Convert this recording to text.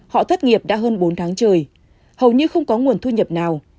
họ thất nghiệp đã hơn bốn tháng trời hầu như không có nguồn thu nhập nào